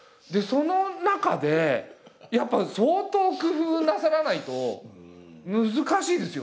その中でやっぱ相当工夫なさらないと難しいですよね？